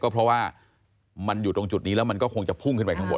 เพราะว่ามันอยู่ตรงจุดนี้แล้วมันก็คงจะพุ่งขึ้นไปข้างบน